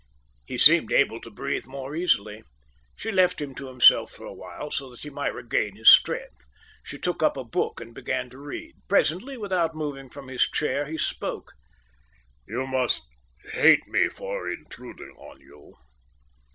He seemed able to breathe more easily. She left him to himself for a while, so that he might regain his strength. She took up a book and began to read. Presently, without moving from his chair, he spoke. "You must hate me for intruding on you."